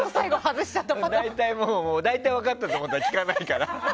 大体分かったと思ったら聞かないから。